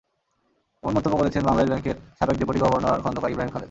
এমন মন্তব্য করেছেন বাংলাদেশ ব্যাংকের সাবেক ডেপুটি গভর্নর খন্দকার ইব্রাহীম খালেদ।